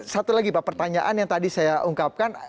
satu lagi pak pertanyaan yang tadi saya ungkapkan